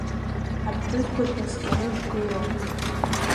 Аԥҳәызба днаскьаны дгылан.